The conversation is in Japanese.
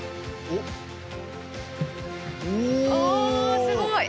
おすごい！